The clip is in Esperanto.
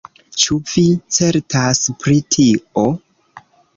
Ĉu vi certas pri tio?